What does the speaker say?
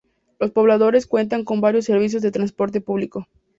Los pobladores cuentan con varios servicio de transporte público.